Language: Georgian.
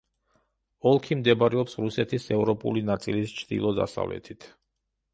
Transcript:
ოლქი მდებარეობს რუსეთის ევროპული ნაწილის ჩრდილო-დასავლეთით.